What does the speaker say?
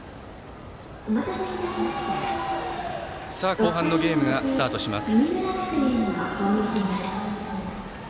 後半のゲームがスタートします。